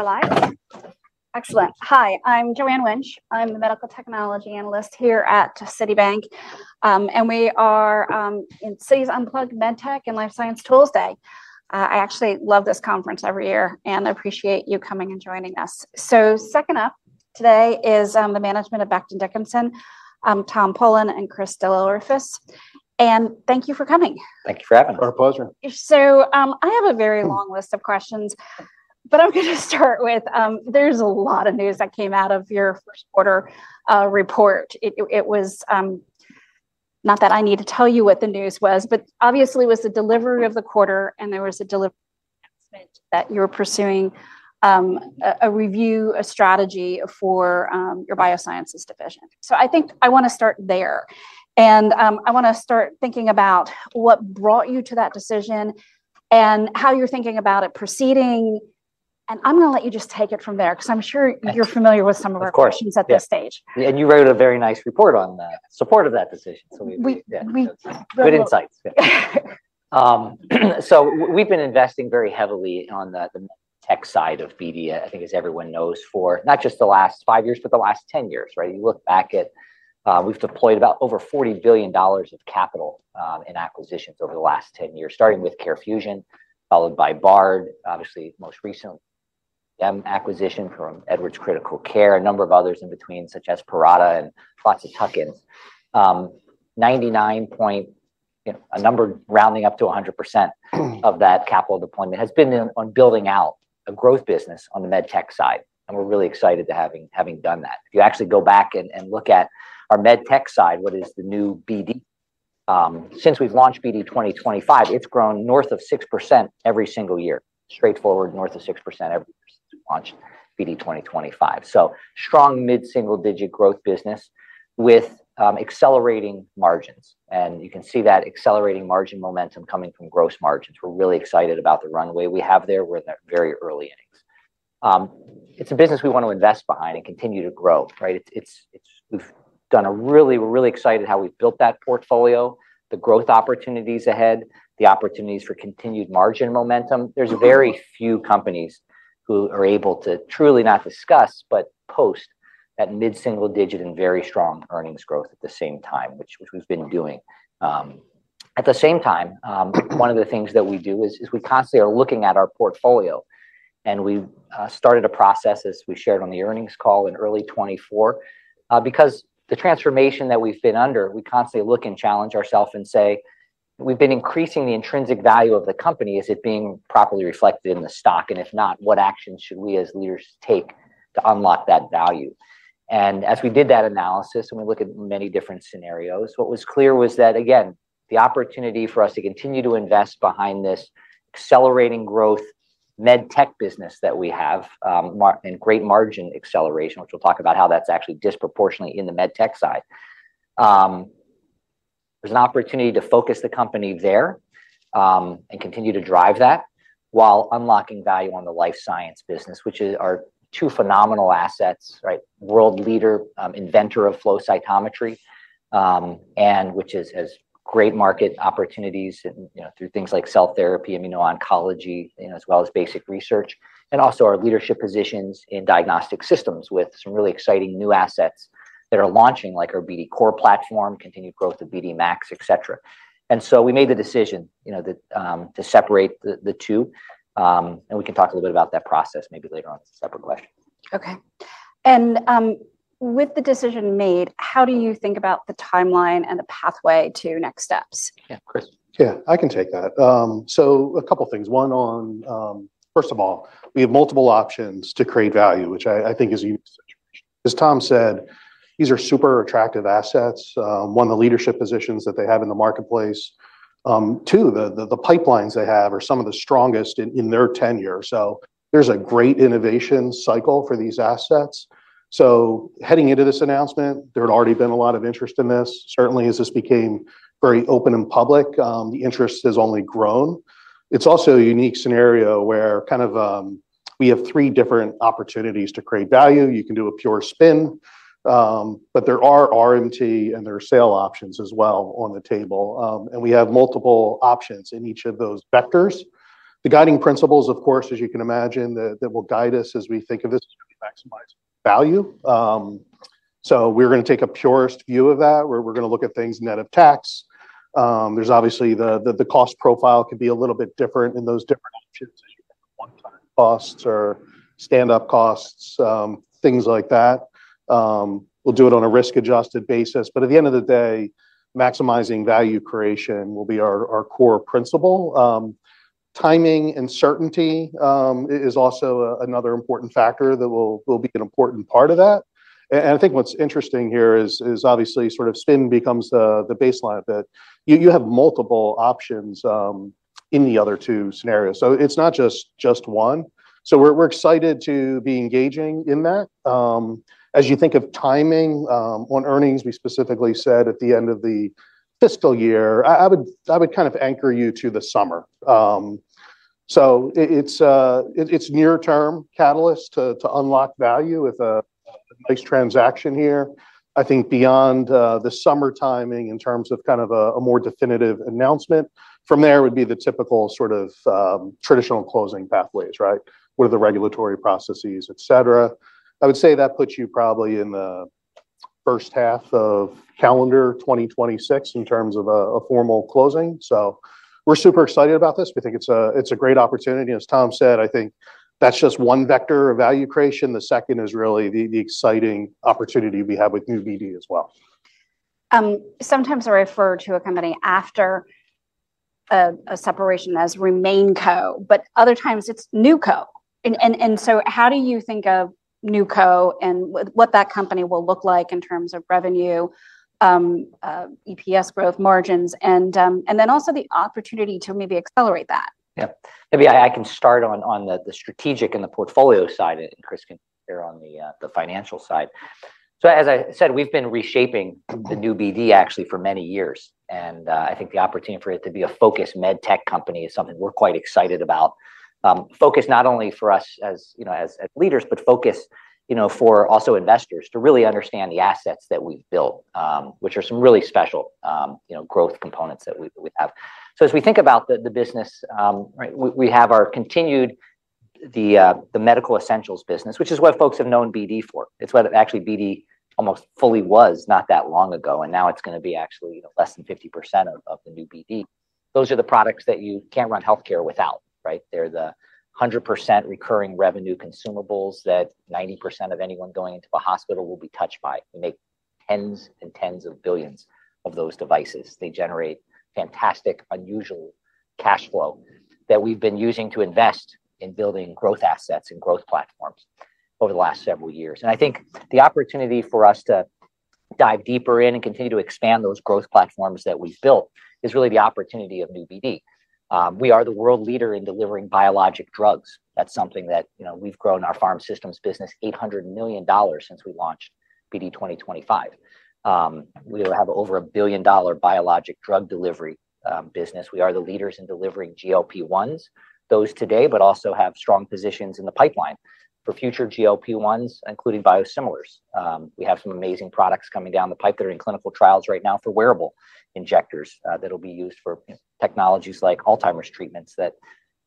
For life. Excellent. Hi, I'm Joanne Wuensch. I'm the Medical Technology Analyst here at Citibank, and we are in Citi's Unplugged: MedTech and Life Science Tools Day. I actually love this conference every year, and I appreciate you coming and joining us. So second up today is the management of Becton, Dickinson, Tom Polen, and Chris DelOrefice. And thank you for coming. Thank you for having me. Our pleasure. So I have a very long list of questions, but I'm going to start with there's a lot of news that came out of your first quarter report. It was not that I need to tell you what the news was, but obviously it was the delivery of the quarter, and there was a delivery announcement that you were pursuing a review strategy for your Biosciences division. So I think I want to start there. And I want to start thinking about what brought you to that decision and how you're thinking about it proceeding. And I'm going to let you just take it from there because I'm sure you're familiar with some of our questions at this stage. You wrote a very nice report on that in support of that decision. So we've got good insights. So we've been investing very heavily on the tech side of BD, I think, as everyone knows, for not just the last five years, but the last 10 years. You look back at we've deployed about over $40 billion of capital in acquisitions over the last 10 years, starting with CareFusion, followed by Bard, obviously most recently the acquisition from Edwards Critical Care, a number of others in between, such as Parata and lots of tuck-ins. 99 point, a number rounding up to 100% of that capital deployment has been on building out a growth business on the MedTech side. And we're really excited to have done that. If you actually go back and look at our MedTech side, what is the new BD? Since we've launched BD 2025, it's grown north of 6% every single year, straightforward north of 6% every year since we launched BD 2025, so strong mid-single-digit growth business with accelerating margins. And you can see that accelerating margin momentum coming from gross margins. We're really excited about the runway we have there. We're in the very early innings. It's a business we want to invest behind and continue to grow. We're really excited how we've built that portfolio, the growth opportunities ahead, the opportunities for continued margin momentum. There's very few companies who are able to truly not discuss, but post that mid-single-digit and very strong earnings growth at the same time, which we've been doing. At the same time, one of the things that we do is we constantly are looking at our portfolio. And we started a process, as we shared on the earnings call in early 2024, because the transformation that we've been under, we constantly look and challenge ourselves and say, we've been increasing the intrinsic value of the company. Is it being properly reflected in the stock? And if not, what actions should we as leaders take to unlock that value? And as we did that analysis, and we look at many different scenarios, what was clear was that, again, the opportunity for us to continue to invest behind this accelerating growth MedTech business that we have and great margin acceleration, which we'll talk about how that's actually disproportionately in the MedTech side. There's an opportunity to focus the company there and continue to drive that while unlocking value on the Life Science business, which are two phenomenal assets, world leader inventor of flow cytometry, and which has great market opportunities through things like cell therapy, immuno-oncology, as well as basic research, and also our leadership positions in diagnostic systems with some really exciting new assets that are launching, like our BD COR platform, continued growth of BD MAX, et cetera. And so we made the decision to separate the two. And we can talk a little bit about that process maybe later on as a separate question. Okay, and with the decision made, how do you think about the timeline and the pathway to next steps? Yeah, Chris? Yeah, I can take that. So a couple of things. One, first of all, we have multiple options to create value, which I think is a unique situation. As Tom said, these are super attractive assets. One, the leadership positions that they have in the marketplace. Two, the pipelines they have are some of the strongest in their sector. So there's a great innovation cycle for these assets. So heading into this announcement, there had already been a lot of interest in this. Certainly, as this became very open and public, the interest has only grown. It's also a unique scenario where kind of we have three different opportunities to create value. You can do a pure spin, but there are RMT and there are sale options as well on the table. And we have multiple options in each of those vectors. The guiding principles, of course, as you can imagine, that will guide us as we think of this is going to be maximized value so we're going to take a purest view of that, where we're going to look at things net of tax. There's obviously the cost profile could be a little bit different in those different options, as you can have one-time costs or stand-up costs, things like that. We'll do it on a risk-adjusted basis, but at the end of the day, maximizing value creation will be our core principle. Timing and certainty is also another important factor that will be an important part of that, and I think what's interesting here is obviously sort of spin becomes the baseline of it. You have multiple options in the other two scenarios so it's not just one so we're excited to be engaging in that. As you think of timing on earnings, we specifically said at the end of the fiscal year, I would kind of anchor you to the summer. So it's near-term catalyst to unlock value with a nice transaction here. I think beyond the summer timing in terms of kind of a more definitive announcement from there would be the typical sort of traditional closing pathways, right? What are the regulatory processes, et cetera? I would say that puts you probably in the first half of calendar 2026 in terms of a formal closing. So we're super excited about this. We think it's a great opportunity. As Tom said, I think that's just one vector of value creation. The second is really the exciting opportunity we have with new BD as well. Sometimes I refer to a company after a separation as RemainCo, but other times it's NewCo, and so how do you think of NewCo and what that company will look like in terms of revenue, EPS growth, margins, and then also the opportunity to maybe accelerate that? Yeah. Maybe I can start on the strategic and the portfolio side and Chris can share on the financial side. So as I said, we've been reshaping the new BD actually for many years. And I think the opportunity for it to be a focused MedTech company is something we're quite excited about. Focus not only for us as leaders, but focus for also investors to really understand the assets that we've built, which are some really special growth components that we have. So as we think about the business, we have our continued the Medical Essentials business, which is what folks have known BD for. It's what actually BD almost fully was not that long ago. And now it's going to be actually less than 50% of the new BD. Those are the products that you can't run healthcare without. They're the 100% recurring revenue consumables that 90% of anyone going into a hospital will be touched by. We make tens and tens of billions of those devices. They generate fantastic, unusual cash flow that we've been using to invest in building growth assets and growth platforms over the last several years. And I think the opportunity for us to dive deeper in and continue to expand those growth platforms that we've built is really the opportunity of new BD. We are the world leader in delivering biologic drugs. That's something that we've grown our pharma systems business $800 million since we launched BD 2025. We have over a $1 billion biologic drug delivery business. We are the leaders in delivering GLP-1s, those today, but also have strong positions in the pipeline for future GLP-1s, including biosimilars. We have some amazing products coming down the pipe that are in clinical trials right now for wearable injectors that will be used for technologies like Alzheimer's treatments that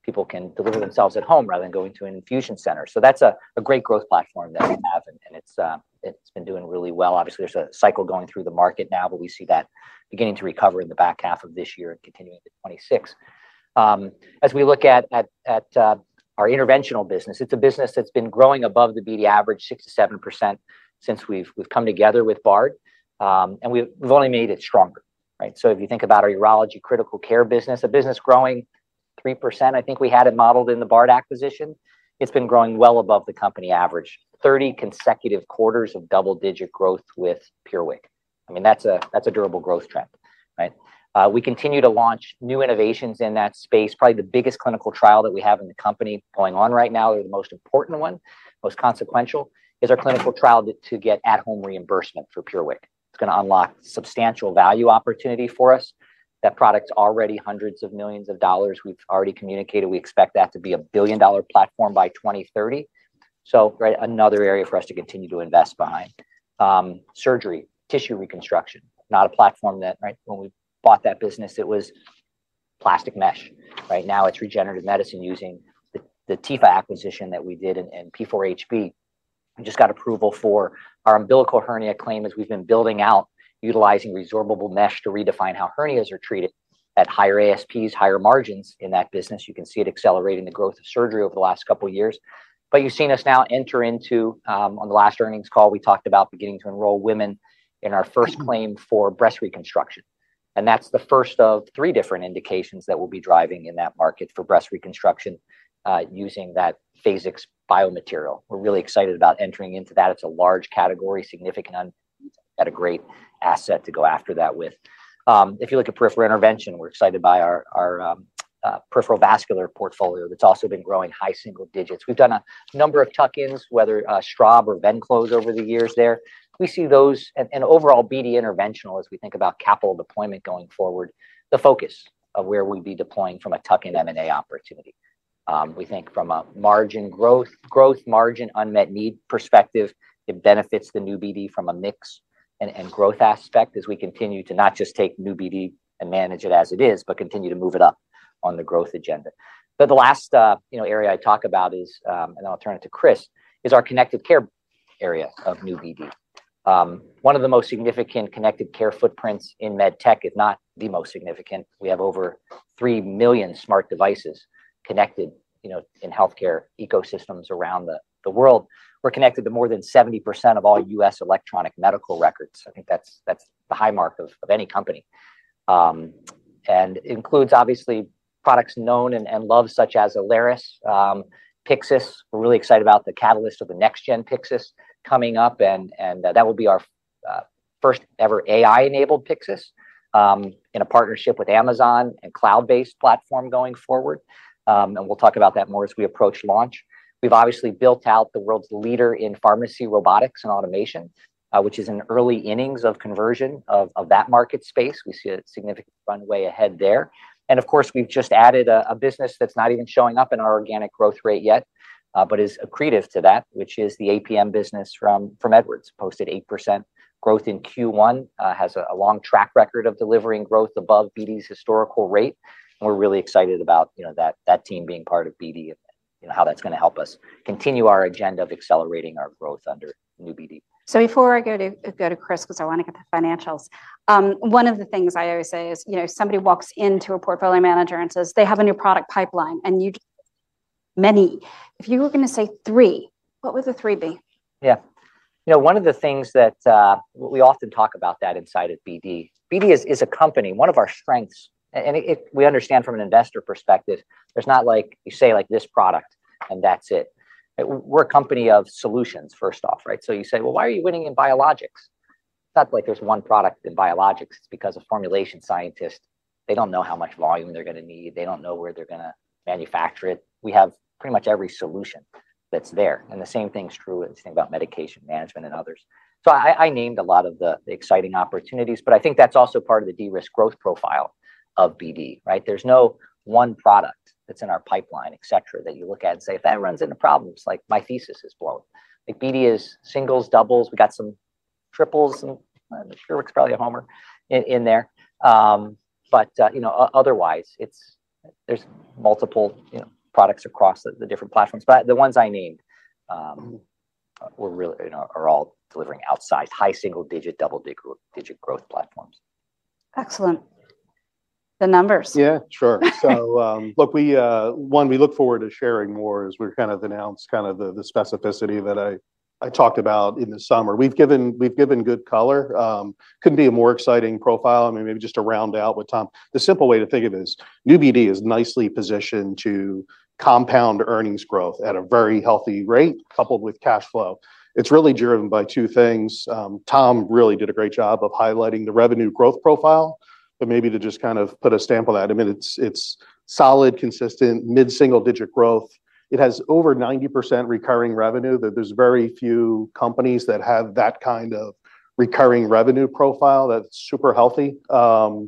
people can deliver themselves at home rather than going to an infusion center. So that's a great growth platform that we have, and it's been doing really well. Obviously, there's a cycle going through the market now, but we see that beginning to recover in the back half of this year and continuing to 2026. As we look at our interventional business, it's a business that's been growing above the BD average 6%-7% since we've come together with Bard. And we've only made it stronger. So if you think about our urology critical care business, a business growing 3%, I think we had it modeled in the Bard acquisition. It's been growing well above the company average, 30 consecutive quarters of double-digit growth with PureWick. I mean, that's a durable growth trend. We continue to launch new innovations in that space. Probably the biggest clinical trial that we have in the company going on right now, or the most important one, most consequential, is our clinical trial to get at-home reimbursement for PureWick. It's going to unlock substantial value opportunity for us. That product's already hundreds of millions of dollars. We've already communicated we expect that to be a billion-dollar platform by 2030. So another area for us to continue to invest behind. Surgery, tissue reconstruction, not a platform that when we bought that business, it was plastic mesh. Now it's regenerative medicine using the Tepha acquisition that we did in P4HB. We just got approval for our umbilical hernia claim as we've been building out, utilizing resorbable mesh to redefine how hernias are treated at higher ASPs, higher margins in that business. You can see it accelerating the growth of surgery over the last couple of years, but you've seen us now enter into on the last earnings call, we talked about beginning to enroll women in our first claim for breast reconstruction, and that's the first of three different indications that we'll be driving in that market for breast reconstruction using that Phasix biomaterial. We're really excited about entering into that. It's a large category, significant unmet needs that are great asset to go after that with. If you look at peripheral intervention, we're excited by our peripheral vascular portfolio that's also been growing high single digits. We've done a number of tuck-ins, whether a Straub or Venclose over the years there. We see those and overall BD Interventional as we think about capital deployment going forward, the focus of where we'd be deploying from a tuck-in M&A opportunity. We think from a margin growth, growth margin, unmet need perspective, it benefits the new BD from a mix and growth aspect as we continue to not just take new BD and manage it as it is, but continue to move it up on the growth agenda. But the last area I talk about is, and I'll turn it to Chris, is our Connected Care area of new BD. One of the most significant Connected Care footprints in MedTech, if not the most significant. We have over 3 million smart devices connected in healthcare ecosystems around the world. We're connected to more than 70% of all U.S. electronic medical records. I think that's the high mark of any company. And it includes obviously products known and loved such as Alaris, Pyxis. We're really excited about the catalyst of the next-gen Pyxis coming up. And that will be our first ever AI-enabled Pyxis in a partnership with Amazon and cloud-based platform going forward. And we'll talk about that more as we approach launch. We've obviously built out the world's leader in pharmacy robotics and automation, which is in early innings of conversion of that market space. We see a significant runway ahead there. And of course, we've just added a business that's not even showing up in our organic growth rate yet, but is accretive to that, which is the APM business from Edwards. Posted 8% growth in Q1, has a long track record of delivering growth above BD's historical rate, and we're really excited about that team being part of BD and how that's going to help us continue our agenda of accelerating our growth under new BD. So before I go to Chris, because I want to get the financials, one of the things I always say is somebody walks into a portfolio manager and says, "They have a new product pipeline," and you just, "Many." If you were going to say three, what would the three be? Yeah. One of the things that we often talk about that inside of BD, BD is a company, one of our strengths. And we understand from an investor perspective, there's not like you say like this product and that's it. We're a company of solutions, first off, right? So you say, "Well, why are you winning in biologics?" It's not like there's one product in biologics. It's because of formulation scientists. They don't know how much volume they're going to need. They don't know where they're going to manufacture it. We have pretty much every solution that's there. And the same thing's true when you think about medication management and others. So I named a lot of the exciting opportunities, but I think that's also part of the de-risk growth profile of BD, right? There's no one product that's in our pipeline, et cetera, that you look at and say, "If that runs into problems, like my thesis is blown." BD is singles, doubles. We got some triples and PureWick's probably a homer in there. But otherwise, there's multiple products across the different platforms. But the ones I named are all delivering outsized high single-digit, double-digit growth platforms. Excellent. The numbers. Yeah, sure. So look, one, we look forward to sharing more as we kind of announced kind of the specificity that I talked about in the summer. We've given good color. Couldn't be a more exciting profile. I mean, maybe just to round out with Tom, the simple way to think of it is new BD is nicely positioned to compound earnings growth at a very healthy rate coupled with cash flow. It's really driven by two things. Tom really did a great job of highlighting the revenue growth profile, but maybe to just kind of put a stamp on that. I mean, it's solid, consistent, mid-single digit growth. It has over 90% recurring revenue. There's very few companies that have that kind of recurring revenue profile that's super healthy. And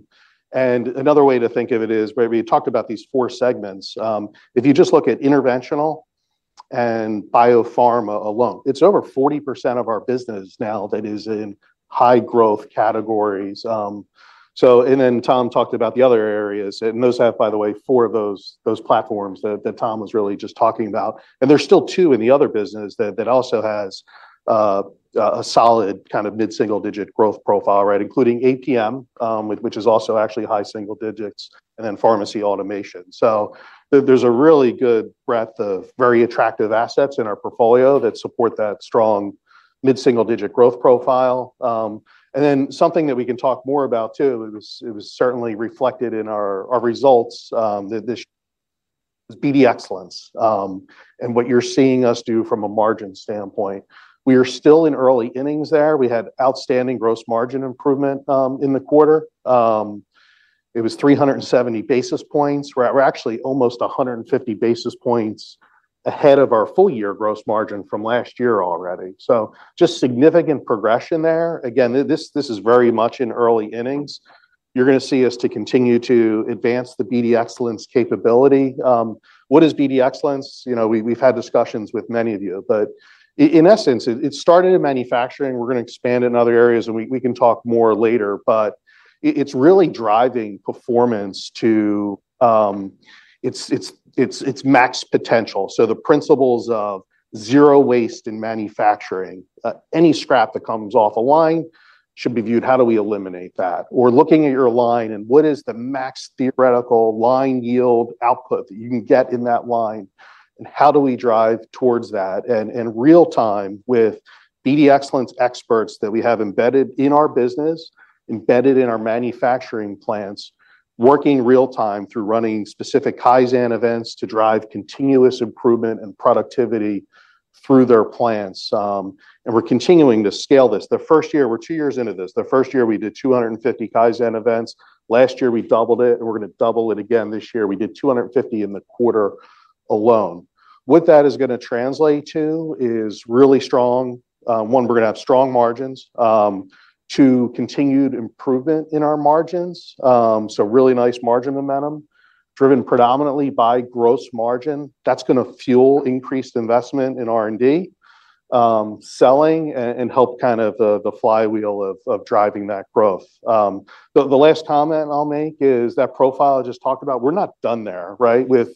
another way to think of it is maybe talked about these four segments. If you just look at Interventional and Biopharma alone, it's over 40% of our business now that is in high growth categories. And then Tom talked about the other areas. And those have, by the way, four of those platforms that Tom was really just talking about. And there's still two in the other business that also has a solid kind of mid-single digit growth profile, right? Including APM, which is also actually high single digits, and then pharmacy automation. So there's a really good breadth of very attractive assets in our portfolio that support that strong mid-single digit growth profile. And then something that we can talk more about too, it was certainly reflected in our results that this BD Excellence and what you're seeing us do from a margin standpoint. We are still in early innings there. We had outstanding gross margin improvement in the quarter. It was 370 basis points. We're actually almost 150 basis points ahead of our full year gross margin from last year already. So just significant progression there. Again, this is very much in early innings. You're going to see us to continue to advance the BD Excellence capability. What is BD Excellence? We've had discussions with many of you, but in essence, it started in manufacturing. We're going to expand in other areas, and we can talk more later, but it's really driving performance to its max potential. So the principles of zero waste in manufacturing, any scrap that comes off a line should be viewed, how do we eliminate that? We're looking at your line and what is the max theoretical line yield output that you can get in that line? And how do we drive towards that? And real time with BD Excellence experts that we have embedded in our business, embedded in our manufacturing plants, working real time through running specific Kaizen events to drive continuous improvement and productivity through their plants. And we're continuing to scale this. The first year, we're two years into this. The first year, we did 250 Kaizen events. Last year, we doubled it, and we're going to double it again this year. We did 250 in the quarter alone. What that is going to translate to is really strong. One, we're going to have strong margins, two, continued improvement in our margins. So really nice margin momentum driven predominantly by gross margin. That's going to fuel increased investment in R&D, selling, and help kind of the flywheel of driving that growth. The last comment I'll make is that profile I just talked about, we're not done there, right? With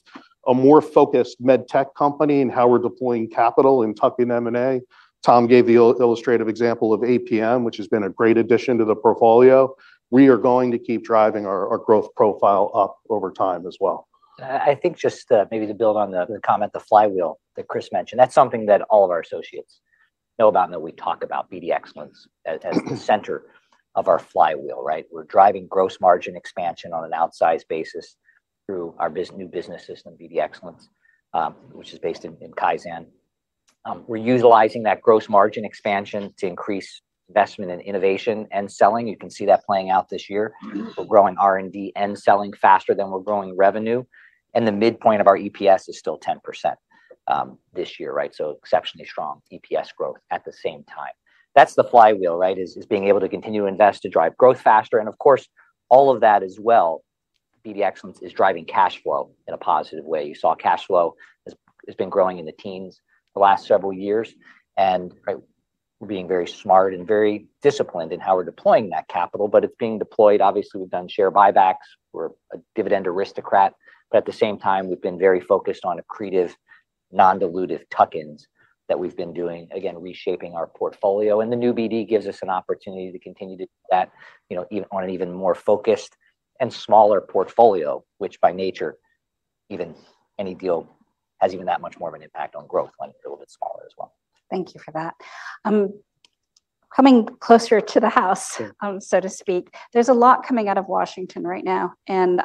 a more focused MedTech company and how we're deploying capital in tuck-in M&A. Tom gave the illustrative example of APM, which has been a great addition to the portfolio. We are going to keep driving our growth profile up over time as well. I think just maybe to build on the comment, the flywheel that Chris mentioned, that's something that all of our associates know about and that we talk about BD Excellence as the center of our flywheel, right? We're driving gross margin expansion on an outsized basis through our new business system, BD Excellence, which is based in Kaizen. We're utilizing that gross margin expansion to increase investment in innovation and selling. You can see that playing out this year. We're growing R&D and selling faster than we're growing revenue. And the midpoint of our EPS is still 10% this year, right? So exceptionally strong EPS growth at the same time. That's the flywheel, right? Is being able to continue to invest to drive growth faster. And of course, all of that as well, BD Excellence is driving cash flow in a positive way. You saw cash flow has been growing in the teens the last several years, and we're being very smart and very disciplined in how we're deploying that capital, but it's being deployed. Obviously, we've done share buybacks. We're a dividend aristocrat, but at the same time, we've been very focused on accretive, non-dilutive tuck-ins that we've been doing, again, reshaping our portfolio, and the new BD gives us an opportunity to continue to do that even on an even more focused and smaller portfolio, which by nature, even any deal has even that much more of an impact on growth when it's a little bit smaller as well. Thank you for that. Coming closer to the house, so to speak, there's a lot coming out of Washington right now. And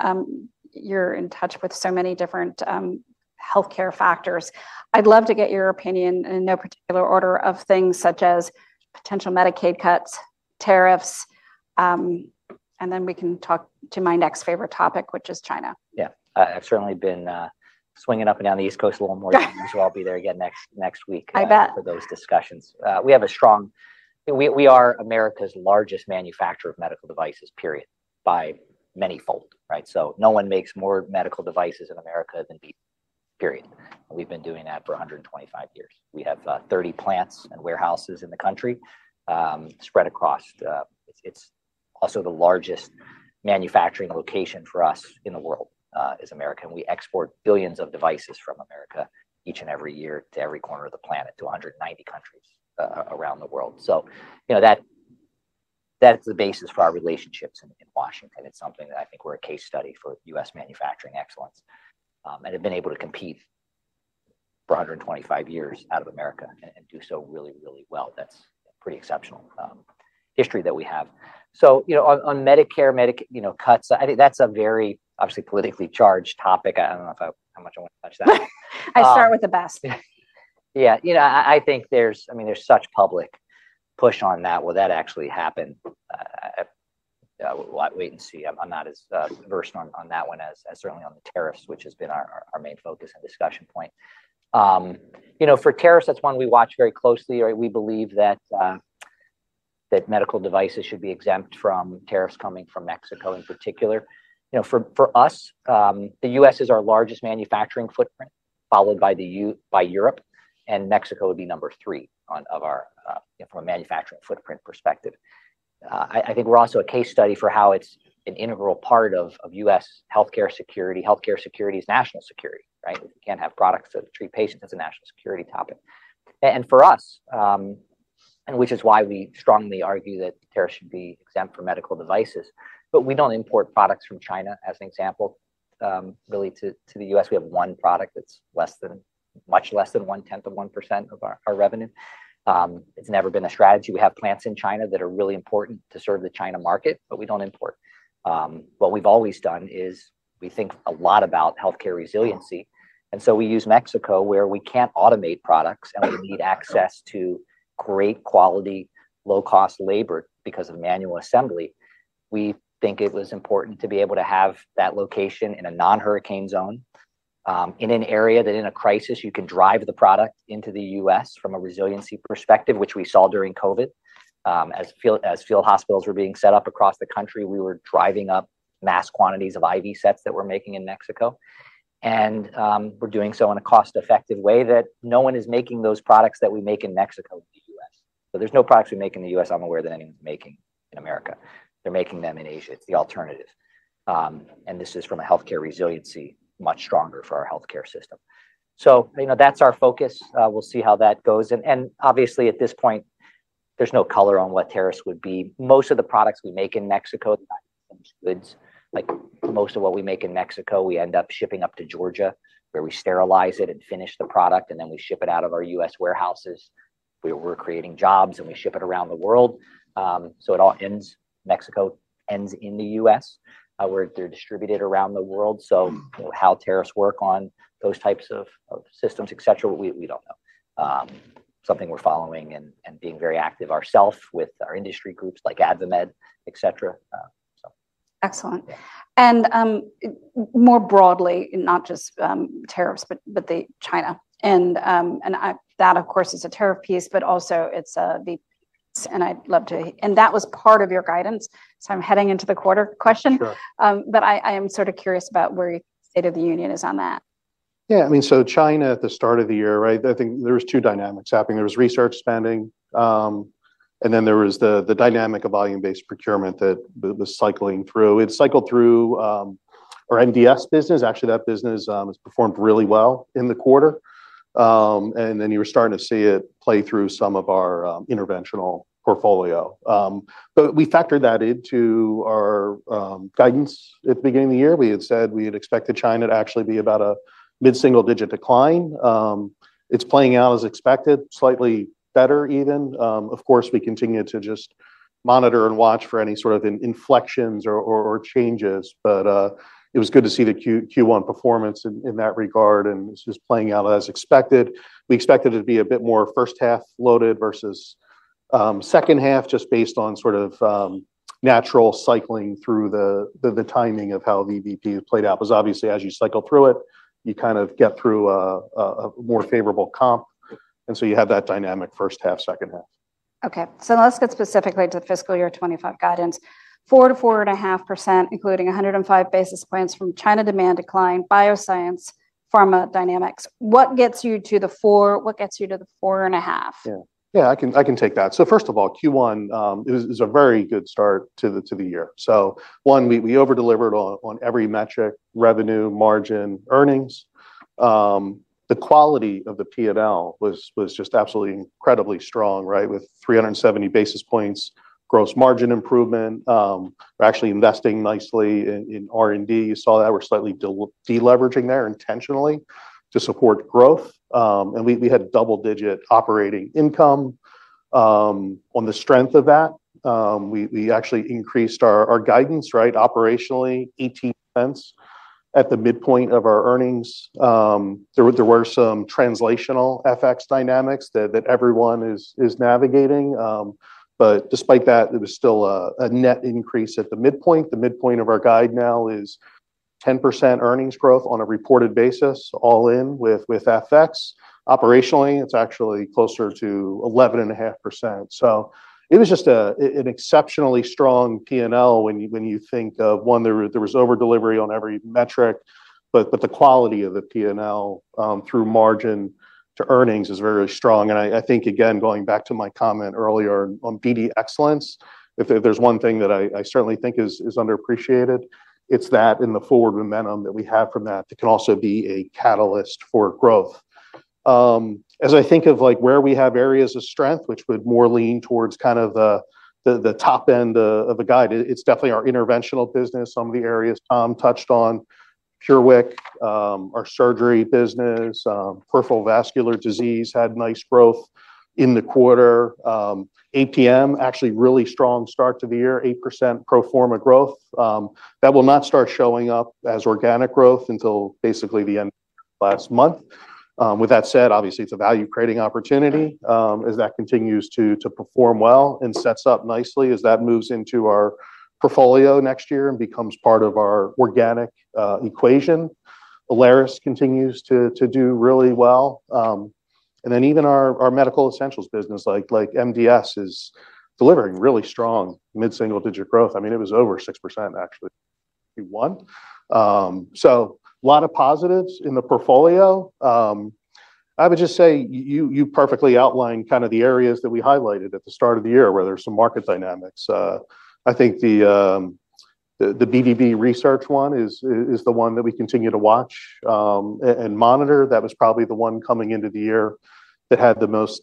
you're in touch with so many different healthcare factors. I'd love to get your opinion in no particular order of things such as potential Medicaid cuts, tariffs, and then we can talk to my next favorite topic, which is China. Yeah. I've certainly been swinging up and down the East Coast a little more than usual. I'll be there again next week for those discussions. We have a strong, we are America's largest manufacturer of medical devices, period, by many fold, right? So no one makes more medical devices in America than BD, period. And we've been doing that for 125 years. We have 30 plants and warehouses in the country spread across. It's also the largest manufacturing location for us in the world is America. And we export billions of devices from America each and every year to every corner of the planet, to 190 countries around the world. So that's the basis for our relationships in Washington. It's something that I think we're a case study for U.S. manufacturing excellence and have been able to compete for 125 years out of America and do so really, really well. That's pretty exceptional history that we have. So on Medicare cuts, I think that's a very obviously politically-charged topic. I don't know how much I want to touch that. I start with the best. Yeah. You know, I think there's, I mean, there's such public push on that. Will that actually happen? Wait and see. I'm not as versed on that one as certainly on the tariffs, which has been our main focus and discussion point. For tariffs, that's one we watch very closely, right? We believe that medical devices should be exempt from tariffs coming from Mexico in particular. For us, the U.S. is our largest manufacturing footprint, followed by Europe, and Mexico would be number three of our manufacturing footprint perspective. I think we're also a case study for how it's an integral part of U.S. healthcare security. Healthcare security is national security, right? You can't have products that treat patients as a national security topic. And for us, which is why we strongly argue that tariffs should be exempt for medical devices, but we don't import products from China as an example. Really, to the U.S., we have one product that's less than, much less than one-tenth of 1% of our revenue. It's never been a strategy. We have plants in China that are really important to serve the China market, but we don't import. What we've always done is we think a lot about healthcare resiliency. And so we use Mexico, where we can't automate products and we need access to great quality, low-cost labor because of manual assembly. We think it was important to be able to have that location in a non-hurricane zone, in an area that in a crisis, you can drive the product into the U.S. from a resiliency perspective, which we saw during COVID. As field hospitals were being set up across the country, we were driving up mass quantities of IV sets that we're making in Mexico. And we're doing so in a cost-effective way that no one is making those products that we make in Mexico in the U.S. So there's no products we make in the U.S. I'm aware that anyone's making in America. They're making them in Asia. It's the alternative. And this is from a healthcare resiliency much stronger for our healthcare system. So that's our focus. We'll see how that goes. And obviously at this point, there's no color on what tariffs would be. Most of the products we make in Mexico, like most of what we make in Mexico, we end up shipping up to Georgia, where we sterilize it and finish the product, and then we ship it out of our U.S. warehouses. We're creating jobs and we ship it around the world. So it all ends, Mexico ends in the U.S., where they're distributed around the world. So how tariffs work on those types of systems, et cetera, we don't know. Something we're following and being very active ourselves with our industry groups like AdvaMed, et cetera. Excellent. And more broadly, not just tariffs, but China. And that, of course, is a tariff piece, but also it's the. And I'd love to, and that was part of your guidance. So I'm heading into the quarter question. But I am sort of curious about where the state of the union is on that. Yeah. I mean, so China at the start of the year, right? I think there were two dynamics happening. There was research spending, and then there was the dynamic of volume-based procurement that was cycling through. It cycled through our MDS business. Actually, that business has performed really well in the quarter. And then you were starting to see it play through some of our interventional portfolio. But we factored that into our guidance at the beginning of the year. We had said we had expected China to actually be about a mid-single digit decline. It's playing out as expected, slightly better even. Of course, we continue to just monitor and watch for any sort of inflections or changes, but it was good to see the Q1 performance in that regard. And it's just playing out as expected. We expected it to be a bit more first half loaded versus second half, just based on sort of natural cycling through the timing of how the VBP has played out. Because obviously, as you cycle through it, you kind of get through a more favorable comp. And so you have that dynamic first half, second half. Okay, so let's get specifically to the fiscal year 2025 guidance. 4%-4.5%, including 105 basis points from China demand decline, Bioscience, Pharma dynamics. What gets you to the 4%? What gets you to the 4.5%? Yeah. Yeah, I can take that. So first of all, Q1 is a very good start to the year. So one, we over-delivered on every metric, revenue, margin, earnings. The quality of the P&L was just absolutely incredibly strong, right? With 370 basis points, gross margin improvement. We're actually investing nicely in R&D. You saw that we're slightly deleveraging there intentionally to support growth. And we had double-digit operating income on the strength of that. We actually increased our guidance, right? Operationally, $0.18 at the midpoint of our earnings. There were some translational FX dynamics that everyone is navigating. But despite that, it was still a net increase at the midpoint. The midpoint of our guide now is 10% earnings growth on a reported basis, all in with FX. Operationally, it's actually closer to 11.5%. It was just an exceptionally strong P&L when you think of one. There was over-delivery on every metric, but the quality of the P&L through margin to earnings is very strong. I think, again, going back to my comment earlier on BD Excellence, if there's one thing that I certainly think is underappreciated, it's that in the forward momentum that we have from that, it can also be a catalyst for growth. As I think of where we have areas of strength, which would more lean towards kind of the top end of the guide, it's definitely our interventional business. Some of the areas Tom touched on, PureWick, our Surgery business, peripheral vascular disease had nice growth in the quarter. APM, actually really strong start to the year, 8% pro forma growth. That will not start showing up as organic growth until basically the end of last month. With that said, obviously, it's a value-creating opportunity as that continues to perform well and sets up nicely as that moves into our portfolio next year and becomes part of our organic equation. Alaris continues to do really well, and then even our Medical Essentials business, like MDS, is delivering really strong mid-single digit growth. I mean, it was over 6% actually Q1, so a lot of positives in the portfolio. I would just say you perfectly outlined kind of the areas that we highlighted at the start of the year where there's some market dynamics. I think the BD Research one is the one that we continue to watch and monitor. That was probably the one coming into the year that had the most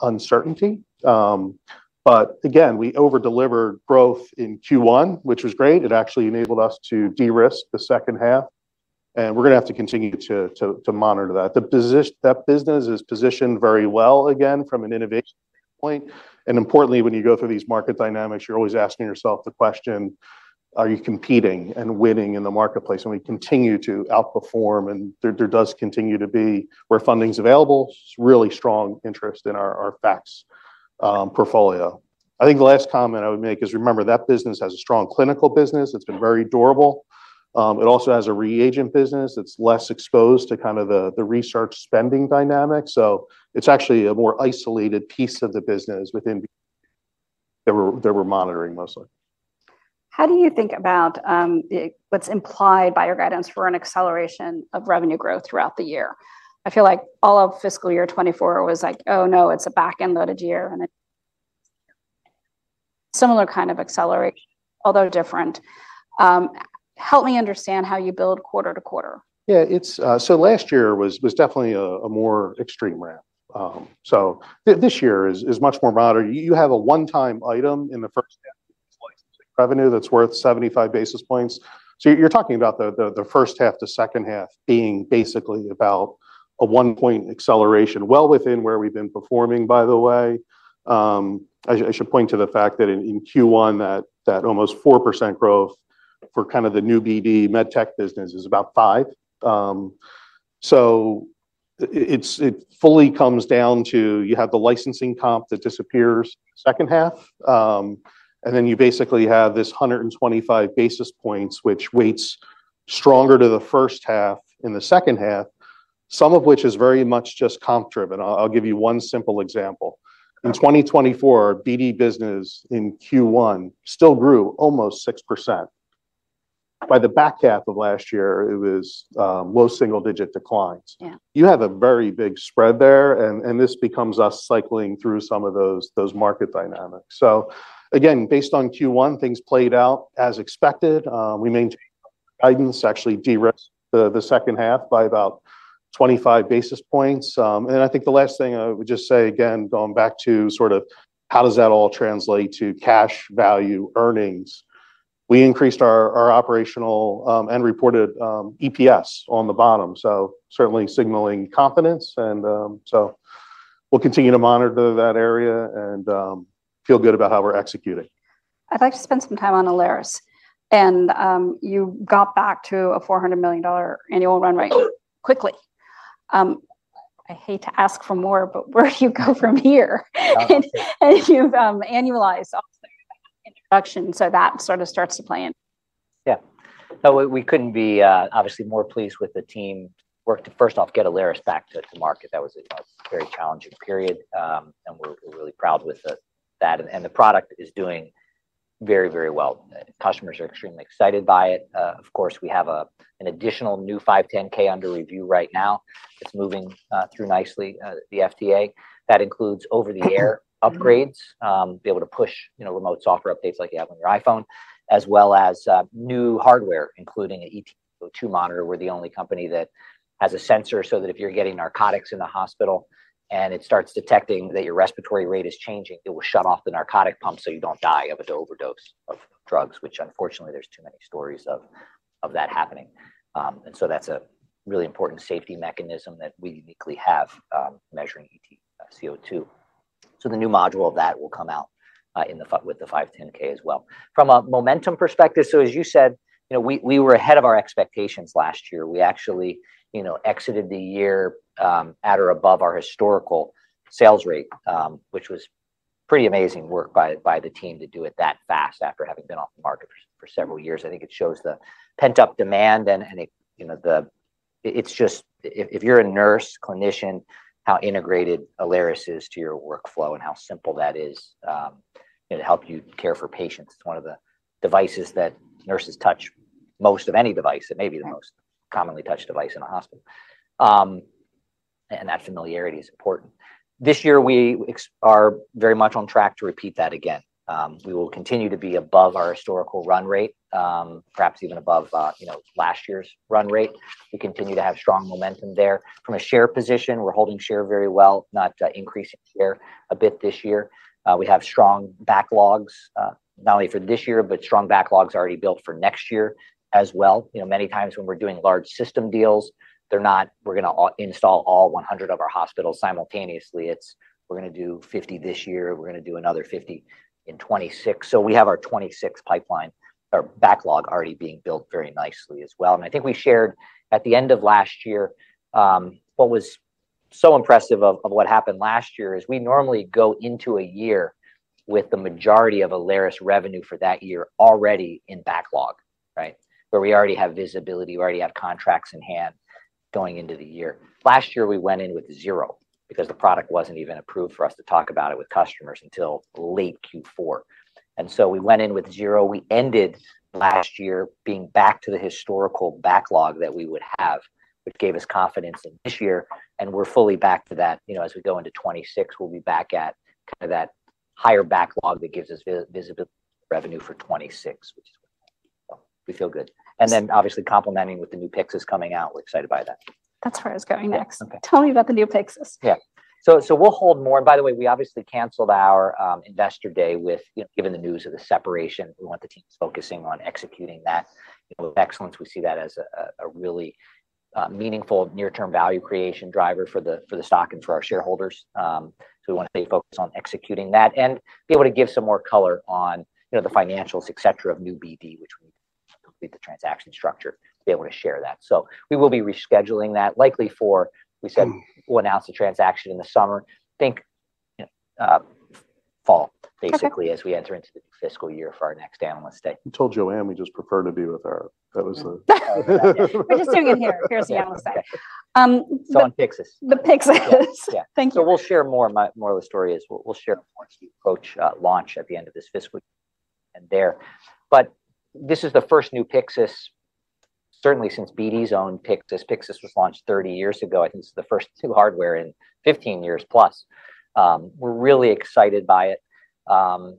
uncertainty. But again, we over-delivered growth in Q1, which was great. It actually enabled us to de-risk the second half. And we're going to have to continue to monitor that. That business is positioned very well again from an innovation point. And importantly, when you go through these market dynamics, you're always asking yourself the question, are you competing and winning in the marketplace? And we continue to outperform. And there does continue to be, where funding's available, really strong interest in our FACS portfolio. I think the last comment I would make is remember that business has a strong clinical business. It's been very durable. It also has a reagent business. It's less exposed to kind of the research spending dynamic. So it's actually a more isolated piece of the business within that we're monitoring mostly. How do you think about what's implied by your guidance for an acceleration of revenue growth throughout the year? I feel like all of fiscal year 2024 was like, "Oh no, it's a back-end loaded year," and then similar kind of acceleration, although different. Help me understand how you build quarter to quarter. Yeah. So last year was definitely a more extreme ramp. So this year is much more moderate. You have a one-time item in the first half of revenue that's worth 75 basis points. So you're talking about the first half to second half being basically about a one-point acceleration, well within where we've been performing, by the way. I should point to the fact that in Q1, that almost 4% growth for kind of the new BD MedTech business is about 5. So it fully comes down to you have the licensing comp that disappears second half. And then you basically have this 125 basis points, which weighs stronger to the first half in the second half, some of which is very much just comp driven. I'll give you one simple example. In 2024, our BD business in Q1 still grew almost 6%. By the back half of last year, it was low single digit declines. You have a very big spread there. And this becomes us cycling through some of those market dynamics. So again, based on Q1, things played out as expected. We maintained guidance, actually de-risked the second half by about 25 basis points. And I think the last thing I would just say, again, going back to sort of how does that all translate to cash value earnings? We increased our operational and reported EPS on the bottom. So certainly signaling confidence. And so we'll continue to monitor that area and feel good about how we're executing. I'd like to spend some time on Alaris. And you got back to a $400 million annual run rate quickly. I hate to ask for more, but where do you go from here? And you've annualized all the introductions. So that sort of starts to play in. Yeah. No, we couldn't be obviously more pleased with the teamwork to first off get Alaris back to market. That was a very challenging period. And we're really proud with that. And the product is doing very, very well. Customers are extremely excited by it. Of course, we have an additional new 510(k) under review right now. It's moving through nicely, the FDA. That includes over-the-air upgrades, be able to push remote software updates like you have on your iPhone, as well as new hardware, including an EtCO2 monitor. We're the only company that has a sensor so that if you're getting narcotics in the hospital and it starts detecting that your respiratory rate is changing, it will shut off the narcotic pump so you don't die of an overdose of drugs, which unfortunately there's too many stories of that happening. That's a really important safety mechanism that we uniquely have measuring EtCO2. The new module of that will come out with the 510(k) as well. From a momentum perspective, as you said, we were ahead of our expectations last year. We actually exited the year at or above our historical sales rate, which was pretty amazing work by the team to do it that fast after having been off the market for several years. I think it shows the pent-up demand and it's just if you're a nurse, clinician, how integrated Alaris is to your workflow and how simple that is to help you care for patients. It's one of the devices that nurses touch most of any device, and maybe the most commonly touched device in a hospital. That familiarity is important. This year, we are very much on track to repeat that again. We will continue to be above our historical run rate, perhaps even above last year's run rate. We continue to have strong momentum there. From a share position, we're holding share very well, not increasing share a bit this year. We have strong backlogs, not only for this year, but strong backlogs already built for next year as well. Many times when we're doing large system deals, we're going to install all 100 of our hospitals simultaneously. We're going to do 50 this year. We're going to do another 50 in 2026. So we have our 2026 pipeline, our backlog already being built very nicely as well. And I think we shared at the end of last year, what was so impressive of what happened last year is we normally go into a year with the majority of Alaris revenue for that year already in backlog, right? Where we already have visibility, we already have contracts in hand going into the year. Last year, we went in with zero because the product wasn't even approved for us to talk about it with customers until late Q4. And so we went in with zero. We ended last year being back to the historical backlog that we would have, which gave us confidence in this year. And we're fully back to that. As we go into 2026, we'll be back at kind of that higher backlog that gives us visibility revenue for 2026, which is good. We feel good. And then obviously complementing with the new Pyxis coming out. We're excited by that. That's where I was going next. Tell me about the new Pyxis. Yeah. So we'll hold more. And by the way, we obviously canceled our Investor Day given the news of the separation. We want the team focusing on executing that with excellence. We see that as a really meaningful near-term value creation driver for the stock and for our shareholders. So we want to stay focused on executing that and be able to give some more color on the financials, et cetera, of new BD, which we need to complete the transaction structure to be able to share that. So we will be rescheduling that likely for, we said, once the transaction in the summer. Think fall basically as we enter into the fiscal year for our next analyst day. Told Joanne we just prefer to be with her. That was the. I'm just doing it here. Here's the analyst day. So on Pyxis. The Pyxis. Thank you. So we'll share more of the story as we'll share more key approach launch at the end of this fiscal year there. But this is the first new Pyxis, certainly since BD's owned Pyxis. Pyxis was launched 30 years ago. I think it's the first new hardware in 15+ years. We're really excited by it. A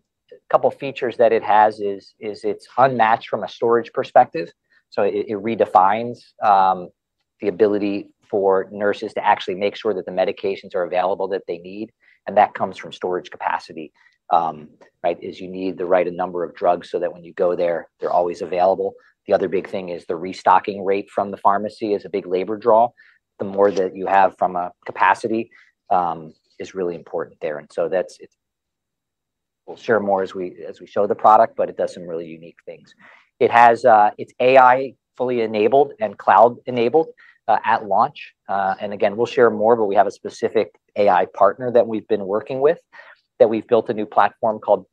couple of features that it has is it's unmatched from a storage perspective. So it redefines the ability for nurses to actually make sure that the medications are available that they need. And that comes from storage capacity, right? As you need the right number of drugs so that when you go there, they're always available. The other big thing is the restocking rate from the pharmacy is a big labor draw. The more that you have from a capacity is really important there. And so we'll share more as we show the product, but it does some really unique things. It's AI fully enabled and cloud enabled at launch. And again, we'll share more, but we have a specific AI partner that we've been working with that we've built a new platform called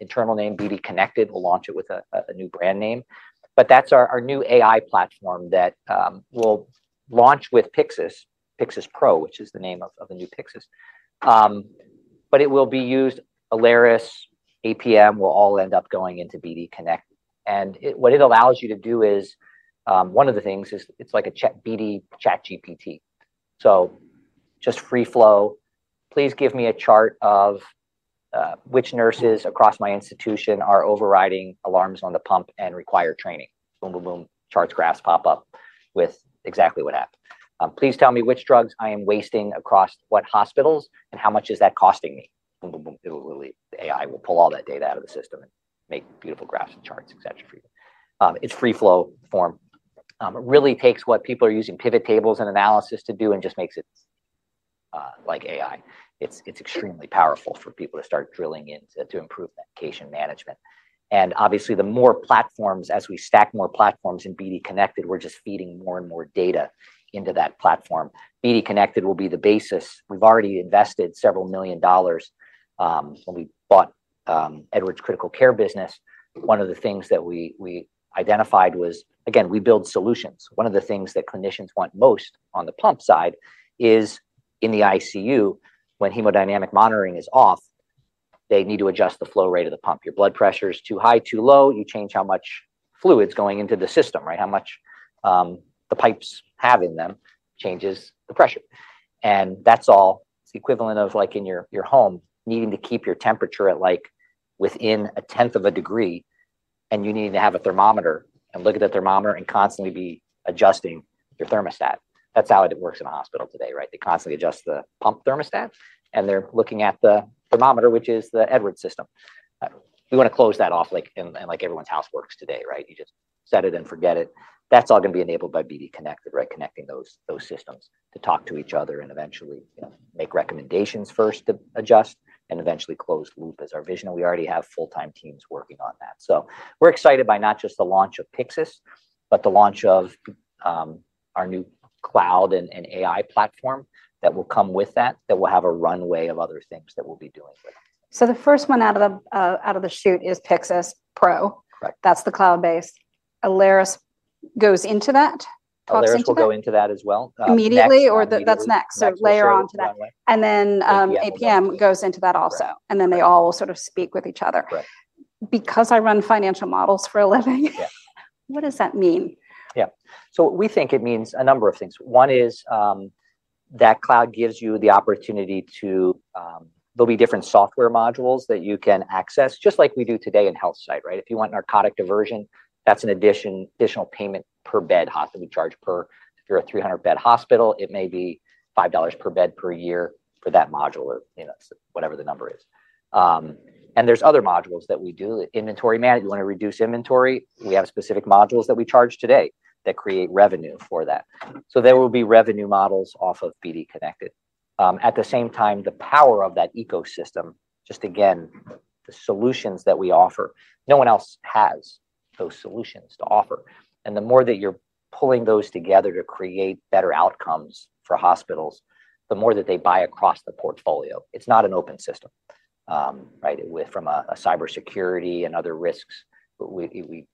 internal name BD Connected. We'll launch it with a new brand name. But that's our new AI platform that will launch with Pyxis, Pyxis Pro, which is the name of the new Pyxis. But it will be used Alaris, APM will all end up going into BD Connected. And what it allows you to do is one of the things is it's like a BD ChatGPT. So just free flow. Please give me a chart of which nurses across my institution are overriding alarms on the pump and require training. Boom, boom, boom. Charts, graphs pop up with exactly what happened. Please tell me which drugs I am wasting across what hospitals and how much is that costing me. The AI will pull all that data out of the system and make beautiful graphs and charts, et cetera for you. It's free flow form. It really takes what people are using pivot tables and analysis to do and just makes it like AI. It's extremely powerful for people to start drilling into improved medication management. Obviously, the more platforms, as we stack more platforms in BD Connected, we're just feeding more and more data into that platform. BD Connected will be the basis. We've already invested several million dollars when we bought Edwards Critical Care business. One of the things that we identified was, again, we build solutions. One of the things that clinicians want most on the pump side is in the ICU, when hemodynamic monitoring is off, they need to adjust the flow rate of the pump. Your blood pressure is too high, too low. You change how much fluid's going into the system, right? How much the pipes have in them changes the pressure. And that's all. It's the equivalent of like in your home needing to keep your temperature at like within a tenth of a degree, and you need to have a thermometer and look at the thermometer and constantly be adjusting your thermostat. That's how it works in a hospital today, right? They constantly adjust the pump thermostat, and they're looking at the thermometer, which is the Edwards system. We want to close that off like everyone's house works today, right? You just set it and forget it. That's all going to be enabled by BD Connected, right? Connecting those systems to talk to each other and eventually make recommendations first to adjust and eventually close loop as our vision. And we already have full-time teams working on that. So we're excited by not just the launch of Pyxis, but the launch of our new cloud and AI platform that will come with that, that will have a runway of other things that we'll be doing with. The first one out of the chute is Pyxis Pro. That's the cloud-based. Alaris goes into that. Alaris will go into that as well. Immediately or that's next? So layer onto that. And then APM goes into that also. And then they all will sort of speak with each other. Because I run financial models for a living, what does that mean? Yeah. So we think it means a number of things. One is that cloud gives you the opportunity to, there'll be different software modules that you can access, just like we do today in HealthSight, right? If you want narcotic diversion, that's an additional payment per bed hospital we charge per, if you're a 300-bed hospital, it may be $5 per bed per year for that module or whatever the number is. And there's other modules that we do. Inventory management, you want to reduce inventory. We have specific modules that we charge today that create revenue for that. So there will be revenue models off of BD Connected. At the same time, the power of that ecosystem, just again, the solutions that we offer, no one else has those solutions to offer. And the more that you're pulling those together to create better outcomes for hospitals, the more that they buy across the portfolio. It's not an open system, right? From a cybersecurity and other risks, we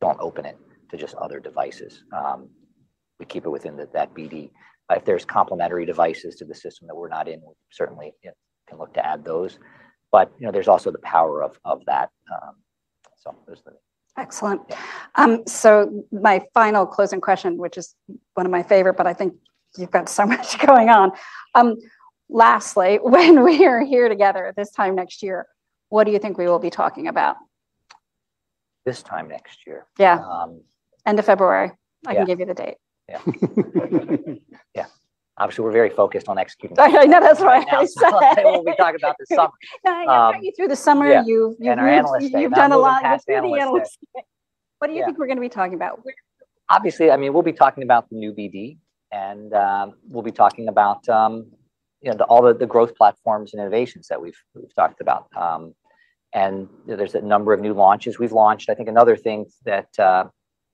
don't open it to just other devices. We keep it within that BD. If there's complementary devices to the system that we're not in, we certainly can look to add those. But there's also the power of that. So there's the. Excellent. So my final closing question, which is one of my favorites, but I think you've got so much going on. Lastly, when we are here together this time next year, what do you think we will be talking about? This time next year? Yeah. End of February. I can give you the date. Yeah. Yeah. Obviously, we're very focused on executing. I know. That's why I asked. We'll be talking about this summer. Yeah. You've been through the summer. You've done a lot with the analyst. What do you think we're going to be talking about? Obviously, I mean, we'll be talking about the new BD, and we'll be talking about all the growth platforms and innovations that we've talked about. And there's a number of new launches we've launched. I think another thing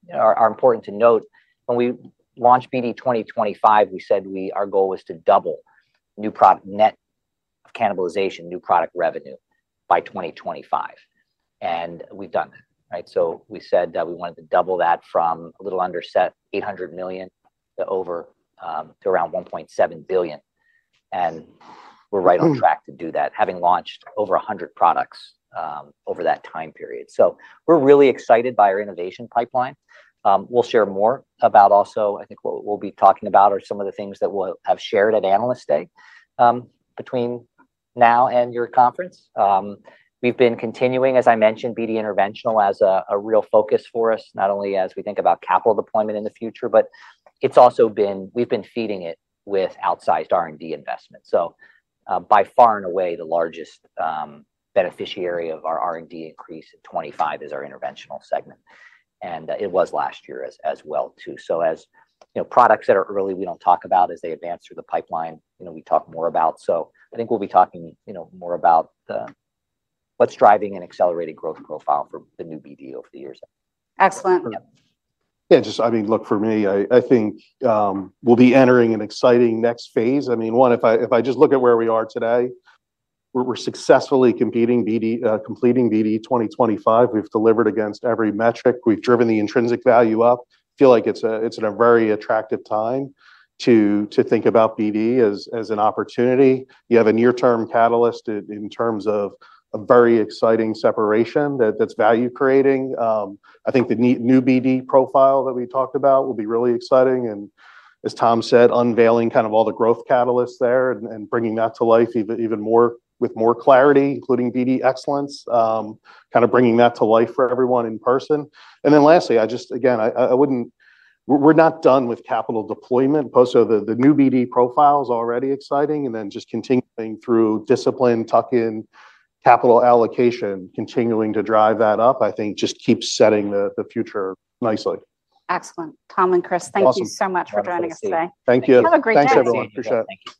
that are important to note, when we launched BD 2025, we said our goal was to double new product net of cannibalization, new product revenue by 2025. And we've done that, right? So we said that we wanted to double that from a little under $800 million to over to around $1.7 billion. And we're right on track to do that, having launched over 100 products over that time period. So we're really excited by our innovation pipeline. We'll share more about also, I think what we'll be talking about are some of the things that we'll have shared at analyst day between now and your conference. We've been continuing, as I mentioned, BD Interventional as a real focus for us, not only as we think about capital deployment in the future, but it's also been, we've been feeding it with outsized R&D investment. So by far and away, the largest beneficiary of our R&D increase in 2025 is our Interventional segment. And it was last year as well too. So as products that are early, we don't talk about as they advance through the pipeline, we talk more about. So I think we'll be talking more about what's driving an accelerated growth profile for the new BD over the years. Excellent. Yeah. Just, I mean, look, for me, I think we'll be entering an exciting next phase. I mean, one, if I just look at where we are today, we're successfully completing BD 2025. We've delivered against every metric. We've driven the intrinsic value up. I feel like it's a very attractive time to think about BD as an opportunity. You have a near-term catalyst in terms of a very exciting separation that's value creating. I think the new BD profile that we talked about will be really exciting, and as Tom said, unveiling kind of all the growth catalysts there and bringing that to life even more with more clarity, including BD Excellence, kind of bringing that to life for everyone in person, and then lastly, I just, again, we're not done with capital deployment, so the new BD profile is already exciting. And then, just continuing through discipline, tuck-in capital allocation, continuing to drive that up, I think, just keeps setting the future nicely. Excellent. Tom and Chris, thank you so much for joining us today. Thank you. Have a great day. Thanks, everyone. Appreciate it.